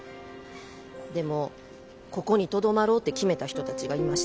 でもここにとどまろうって決めた人たちがいました。